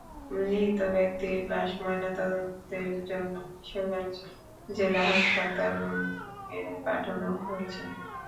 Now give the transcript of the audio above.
নিহত ব্যক্তির লাশ ময়নাতদন্তের জন্য কিশোরগঞ্জ জেলা হাসপাতাল মর্গে পাঠানো হয়েছে।